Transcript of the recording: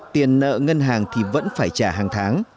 tiền nợ ngân hàng thì vẫn phải trả hàng tháng